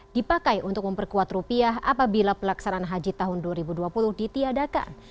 dipakai untuk memperkuat rupiah apabila pelaksanaan haji tahun dua ribu dua puluh ditiadakan